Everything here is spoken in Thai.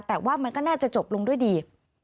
แต่ว่ามันก็น่าจะจบลงด้วยดี